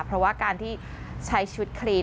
เพราะว่าการที่ใช้ชุดคลีน